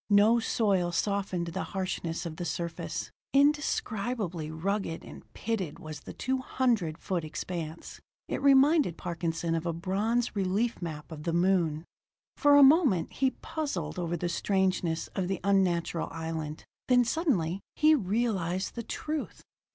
No soil softened the harshness of the surface; indescribably rugged and pitted was the two hundred foot expanse. It reminded Parkinson of a bronze relief map of the moon. For a moment he puzzled over the strangeness of the unnatural island; then suddenly he realized the truth.